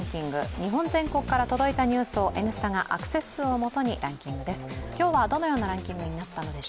日本全国から届いたニュースを「Ｎスタ」がアクセス数を基にランキングです。